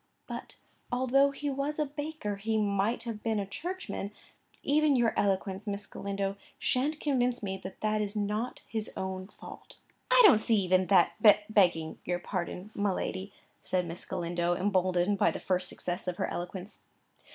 "But, although he was a baker, he might have been a Churchman. Even your eloquence, Miss Galindo, shan't convince me that that is not his own fault." "I don't see even that, begging your pardon, my lady," said Miss Galindo, emboldened by the first success of her eloquence.